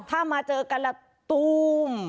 ถ้ามาเจอกันแล้วตุ้ม